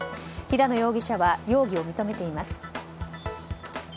平野容疑者は容疑を認めています。